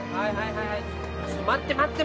はいはいちょっと待って待って